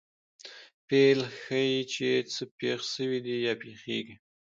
فعل ښيي، چي څه پېښ سوي دي یا پېښېږي.